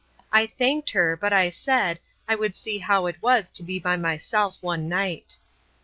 I thanked her; but I said, I would see how it was to be by myself one night.